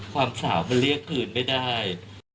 ความสาวมันเรียกคืนไม่ได้